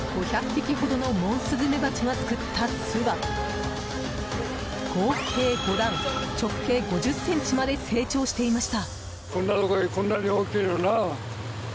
５００匹ほどのモンスズメバチが作った巣は合計５段、直径５０ｃｍまで成長していました。